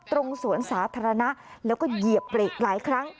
สวนสาธารณะแล้วก็เหยียบเบรกหลายครั้ง